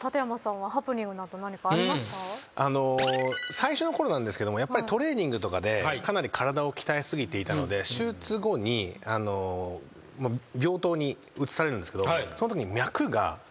最初のころなんですけれどもトレーニングとかでかなり体を鍛えすぎていたので手術後に病棟に移されるんですけどそのときに。